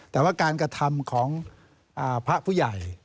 แต่ว่าการกระทำของพระผู้ใหญ่